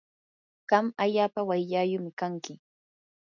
qam allaapa wayllaayumi kanki.